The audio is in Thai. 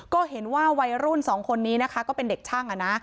ก็เห็นว่าวัยรุ่นสองคนนี้นะคะก็เป็นเด็กช่าง